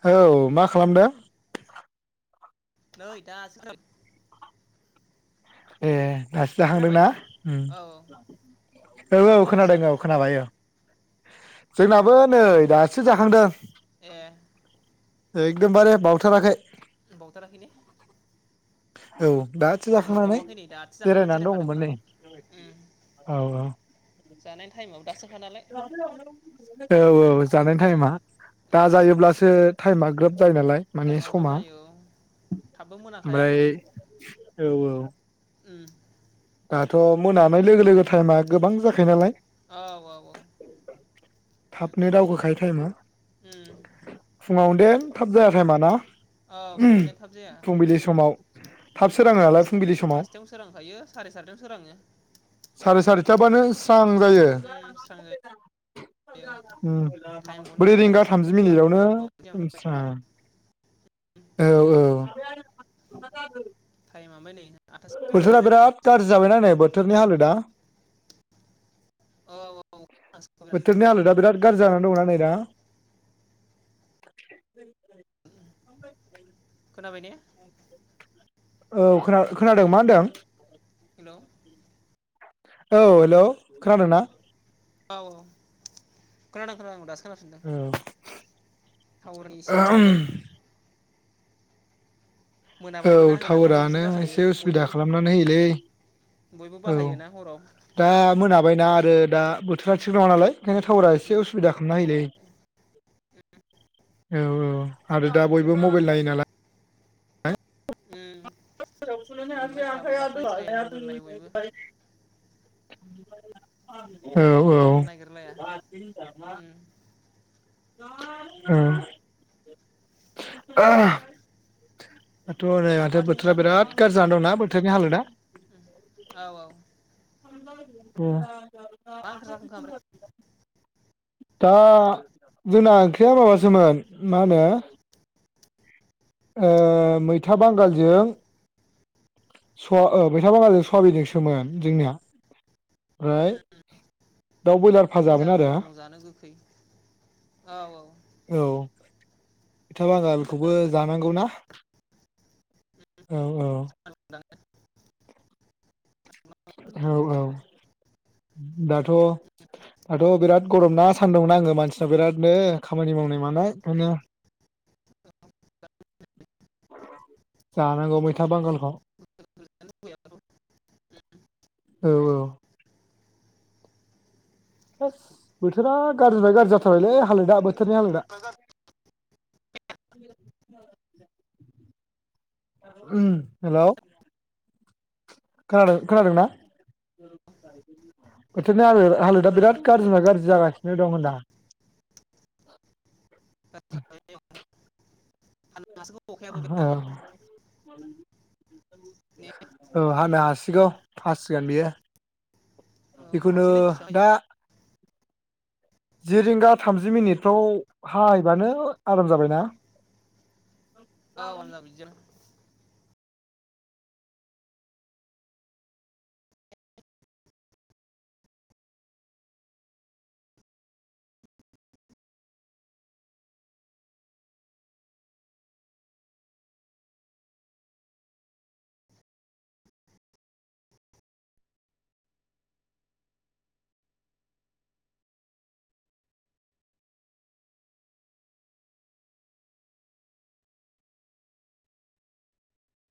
औ मा खालामदों नै दासो ए दासो खोनाबाय जाखांदोंना औ औ औ जाखांबाय नोंस्रा खोनादों औ खोनाबाय औ जोंनाबो नै दासो जाखांदों ए एकदमबारे बावथाराखै बावथाराखै ने औ दासो जाखांनानै नैनै दासो जाखांनानै जिरायनानै दङमोन जिरायखादोंमोन नै आं औ जानाय टाइमाव दासोखा नालाय औ औ जानाय उम टाइमा औ दा जायोब्लासो टाइमा ग्रोब जायो नालाय माने टाइमा ग्रोब समा जायो औ थाबबो मोनाखाया ओमफ्राय हनै औ औ उम दाथ' मोनानाय लोगो लोगो टाइमा गोबां जाखायो नालाय। औ औ औ थाबनो दावखो खायो टाइमा। उम फुंङाव बे थाब जायाखै मा ना? औ फुङावनो थाब जाया फुंबिलि एसे समाव थाब सोराङो फास नालाय फुंबिलि समाव। फासथायावनो सोरांखायो साराय सादथायावनो सोराङो। [unintelligible] बानोस थां जायो उम स्रां जायो औ उम टाइमखौनो ब्रै रिंगा सातथासिमाव थामजि जारौ मिनिटआवनो जारौ उम ओमफ्राय स्रां औ औ [unintelligible] थायमा ओमफाय नै आठथासिमाव बोथोरा बिराद जाया गाज्रि जाबायना नै बोथोरनि हालोदा औ औ खोनादों बोथोरनि हालोदा बिराद गाज्रि जानानै दंना नै दा। [unintelligible] [unintelligible] खोनाबाय ने? औ खोना-खोनादों मा होनदों? हेलौ औ हेलौ खोनादों ना? औ खोनादों खोनादों दासो खोनाफिनदों औ टावारनि एसे दिसथाब जादों। औ मोनाबायबो ना मोनाबाथाय टावारानो बिदिनो जाखायो एसे बयबो उसुबिदा खालामनानै होयोलै बयबो औ बाहायोना हराव दा मोनाबायना रो दा बोथोरा थिग नङा नालाय ओखायनो टावारा एसे बयबो उसुबिदा नायलै हराव औ औ आरो दा ओंखायनो बयबो मबायल नायो नालाय। उन्दुबाय थाबाय जाखाबाय जिरायबाय मबाइल नायबाय बयबो [unintelligible] औ औ बेखायनो आं नायगिरलाया उम ओ दाथ' नै माथो ओंख्रि बोथोरा जाखो दालाय बिराद गाज्रि जाना दंना बो थोरनि हालोदा औ औ [unintelligible] मा ओंख्रि जाखांखो ओमफ्राय दा जोंना ओंख्रिया माबासोमोन मा होनो ओ मैथा बांगालजों स ओ बैथा बांगालजों सबिनजोंसोमोन जोंनिया ओमफ्राय दाउ ब्रयलार बेनो मोजां फाजामोन आरो गरमाव जानो गोखै औ औ औ फिथा गरमाव बेनो बांगालखौबो जाना औ औ। [unintelligible] औ औ। दाथ' दाथ' बिराद गरम ना सान्दुं नाङो मानसिनाव बिरादनो खामानि मावनाय मानाय ओंखायनो जानांगौ मैथा बांगालखौ औ औ। [inaudible] थोस बोथोरा गाज्रिनि गाज्रि जाथारबायलै हालोदा बो थोरनि हालोदा [unintelligible] उम हेल'‌। खोनादों खोनादों ना? बोथोरनि हालोद हालोदा बिराद गाज्रिनिफ्राय गाज्रि जागासिनो दं होनदो आं। [inaudible] [unintelligible] औ अखायाबो बिराद औ हानो हासिगौ। हासिगोन बियो। बेखौनो हानोसैलै फिसा दा जायो जि रिंगा थामजि मिनिटफ्राव हायोबानो आराम जाबायना। औ अनला बिजों